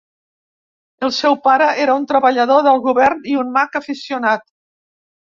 El seu pare era un treballador del govern i un mag aficionat.